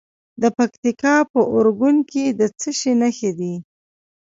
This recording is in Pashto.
د پکتیکا په اورګون کې د څه شي نښې دي؟